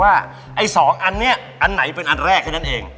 ไอ้๒อันนี้อันไหนเป็นอันแรกแค่นั้นเอง